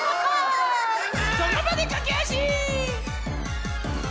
そのばでかけあし！